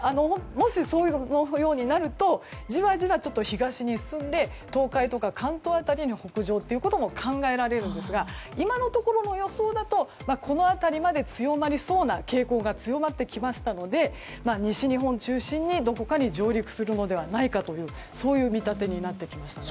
もし、そのようになるとじわじわ東に進んで東海とか関東辺りへの北上も考えられるんですが今のところの予想だとこの辺りまで強まりそうな傾向が強まってきましたので西日本中心に、どこかに上陸するのではないかという見立てになってきましたね。